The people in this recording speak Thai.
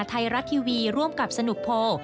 ไทยรัฐทีวีร่วมกับสนุกโพล